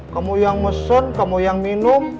kamu yang mesum kamu yang minum